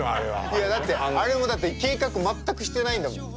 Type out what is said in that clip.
いやだってあれもだって計画全くしてないんだもん。